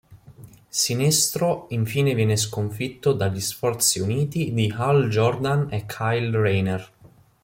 Sinestro infine venne sconfitto dagli sforzi uniti di Hal Jordan e Kyle Rayner.